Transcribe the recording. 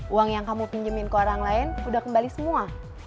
uang yang kamu pinjemin ke orang lain udah kembali semua